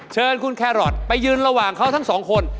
เชิญคุณแครอทไปยืนระหว่างเขาทั้งสองคน